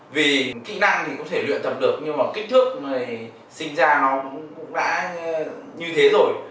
vì kỹ năng thì có thể luyện tập được nhưng mà kích thước mà sinh ra nó cũng đã như thế rồi